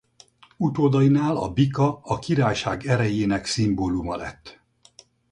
Utódainál a bika a királyság erejének szimbóluma lett.